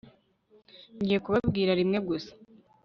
ngiye kubabwira rimwe gusa